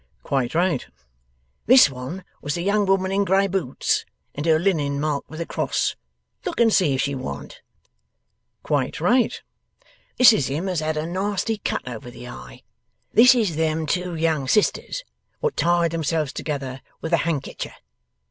'Quite right.' 'This one was the young woman in grey boots, and her linen marked with a cross. Look and see if she warn't.' 'Quite right.' 'This is him as had a nasty cut over the eye. This is them two young sisters what tied themselves together with a handkecher.